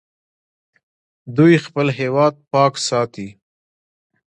دوی خپل هیواد پاک ساتي.